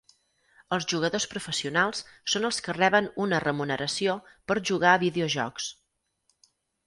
Els jugadors professionals són els que reben una remuneració per jugar a videojocs.